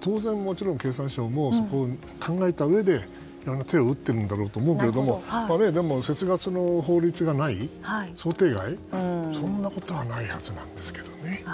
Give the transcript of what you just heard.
当然、経産省もそこを考えたうえで手を打っているんだろうと思いますがでも、節ガスの法律がない想定外、そんなことはないはずなんですけどね。